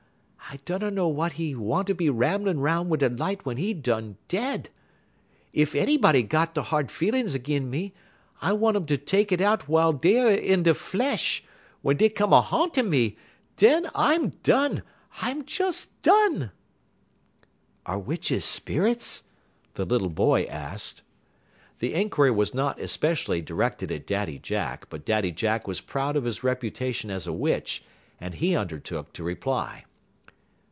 I dunner w'at he wanter be ramblin' 'roun' wid a light w'en he done dead. Ef anybody got any hard feelin's 'gin' me, I want um ter take it out w'ile deyer in de flesh; w'en dey come a ha'ntin' me, den I'm done I'm des done." "Are witches spirits?" the little boy asked. The inquiry was not especially directed at Daddy Jack, but Daddy Jack was proud of his reputation as a witch, and he undertook to reply.